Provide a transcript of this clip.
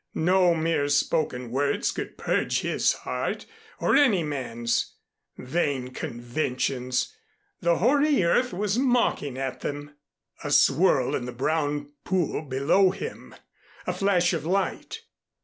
No mere spoken words could purge his heart or any man's! Vain conventions! The hoary earth was mocking at them. A swirl in the brown pool below him, a flash of light!